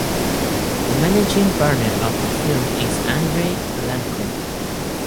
The managing partner of the firm is Andrei Iancu.